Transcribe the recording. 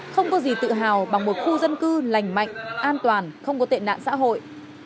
không có gì tự hào bằng một khu dân cư lành mạnh an toàn không có tệ nạn xã hội